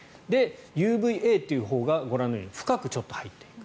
ＵＶＡというほうがご覧のように深く入っている。